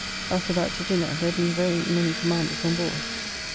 After that to dinner, there being very many commanders on board.